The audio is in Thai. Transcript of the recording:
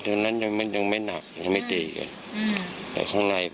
ตีที่คุณลงเห็นลักษณะแบบไหนตีอะไรดี